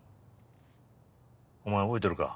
お前覚えてるか？